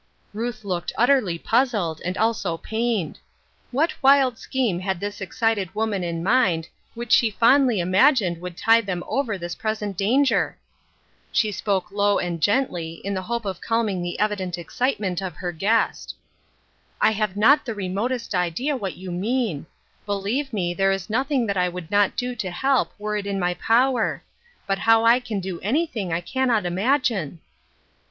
Ruth looked utterly puzzled, and also pained. What wild scheme had this excited woman in mind, which she fondly imagined would tide them over this present danger ? She spoke low and gently, in the hope of calm ing the evident excitement of her guest :—" I have not the remotest idea what you mean ; believe me, there is nothing that I would not do to help, were it in my power ; but how I can do any thing, I cannot imagine."